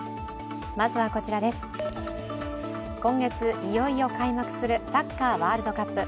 今月、いよいよ開幕するサッカーワールドカップ。